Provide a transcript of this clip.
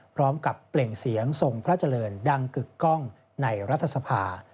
เปล่งเสียงทรงพระเจริญดังกึกกล้องในรัฐสภา